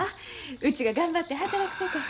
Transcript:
うちが頑張って働くさかい。